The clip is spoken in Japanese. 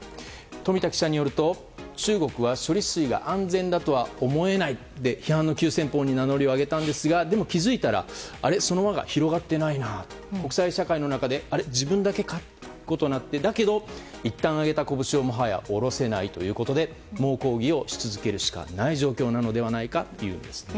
富田記者によると中国は処理水が安全だとは思えないと批判の急先鋒に名乗りを上げたんですがでも、気づいたらあれ、その輪が広がっていない国際社会の中で自分だけかとなってだけど、いったん上げた拳をもはや下ろせないということで猛抗議をし続けるしかない状況なのではないかというんです。